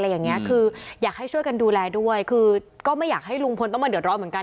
อย่างเงี้ยคืออยากให้ช่วยกันดูแลด้วยคือก็ไม่อยากให้ลุงพลต้องมาเดือดร้อนเหมือนกัน